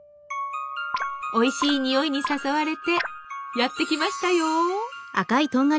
おいしい匂いに誘われてやって来ましたよ。